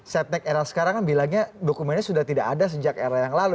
setnek era sekarang kan bilangnya dokumennya sudah tidak ada sejak era yang lalu